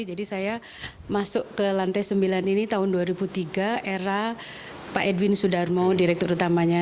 jadi saya masuk ke lantai sembilan ini tahun dua ribu tiga era pak edwin sudarmo direktur utamanya